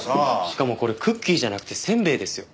しかもこれクッキーじゃなくてせんべいですよ。